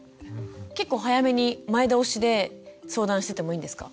結構早めに前倒しで相談してもいいんですか？